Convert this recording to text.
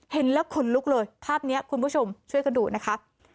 เห็นแล้วขนลุกเลยภาพนี้คุณผู้ชมช่วยกันดูนะคะ